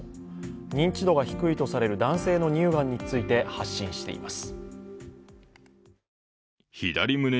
認知度が低いとされる男性の乳がんについて発信しています。